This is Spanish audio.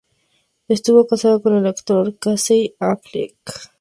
Estuvo casada con el actor Casey Affleck.